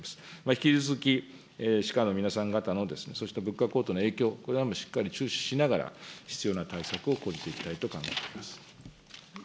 引き続き、歯科の皆さん方の、そして物価高騰の影響、これはもうしっかり注視しながら、必要な対策を講じていきたいと考えます。